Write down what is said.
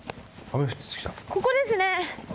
ここですね。